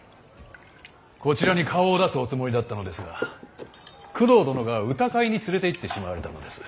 こちらに顔を出すおつもりだったのですが工藤殿が歌会に連れていってしまわれたのです。